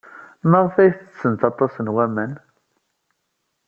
Maɣef ay ttessent aṭas n waman?